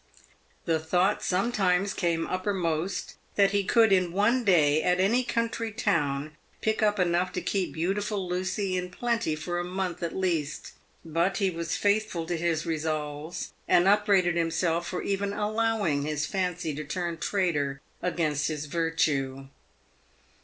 The thought sometimes came uppermost that he could in one day at any country town pick up enough to keep beautiful Lucy in plenty for a month at least, but he was faithful to his resolves, and upbraided himself for even allowing his fancy to turn traitor against his virtue.